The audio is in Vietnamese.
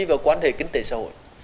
và quan hệ kinh tế xã hội